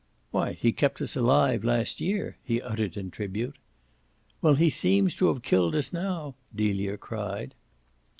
"Why he kept us alive last year," he uttered in tribute. "Well, he seems to have killed us now," Delia cried.